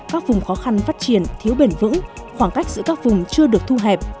các vùng khó khăn phát triển thiếu bền vững khoảng cách giữa các vùng chưa được thu hẹp